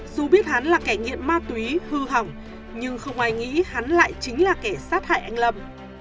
dù biết hắn là kẻ nghiện ma túy hư hỏng nhưng không ai nghĩ hắn lại chính là kẻ sát hại anh lâm